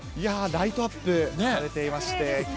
ライトアップされていまして。